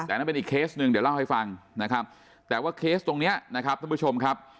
แต่นั่นเป็นอีกเคสหนึ่งเดี๋ยวเล่าให้ฟังนะครับแต่ว่าเคสตรงเนี้ยนะครับท่านผู้ชมครับ